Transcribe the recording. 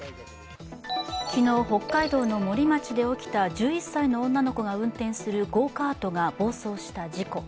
昨日、北海道の森町で起きた１１歳の女の子が運転するゴーカートが暴走した事故。